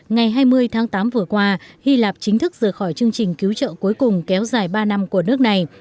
ngày hai mươi tháng tám vừa qua hy lạp chính thức rời khỏi chương trình cứu trợ cuối cùng kéo dài ba năm của nước này